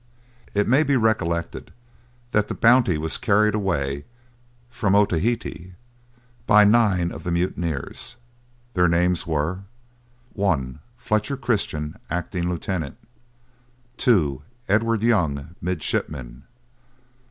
It may be recollected that the Bounty was carried away from Otaheite by nine of the mutineers. Their names were: 1. FLETCHER CHRISTIAN, Acting Lieutenant. 2. EDWARD YOUNG, Midshipman.